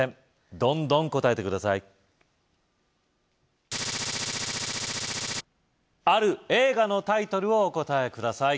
どんどん答えて下さいある映画のタイトルをお答えください